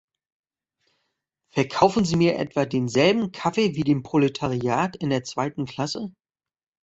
Verkaufen Sie mir etwa denselben Kaffee wie dem Proletariat in der zweiten Klasse?